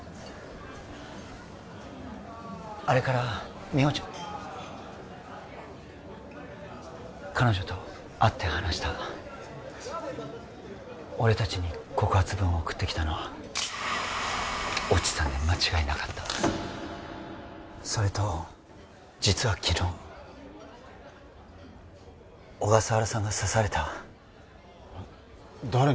あれから美穂ちゃ彼女と会って話した俺達に告発文を送ってきたのは越智さんで間違いなかったそれと実は昨日小笠原さんが刺された誰に？